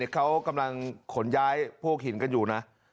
เขากำลังขนย้ายพวกหินกันอยู่นะ